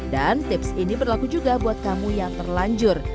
dan tips ini berlaku juga buat kamu yang terlanjur